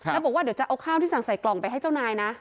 แล้วบอกว่าเดี๋ยวจะเอาข้าวที่สั่งใส่กล่องไปให้เจ้านายนะ